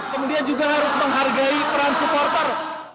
kemudian juga harus menghargai peran supporter